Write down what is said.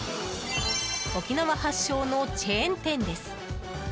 沖縄発祥のチェーン店です。